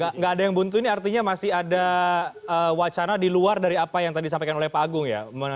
nggak ada yang buntu ini artinya masih ada wacana di luar dari apa yang tadi disampaikan oleh pak agung ya